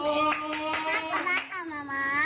มากมากกับมาม่า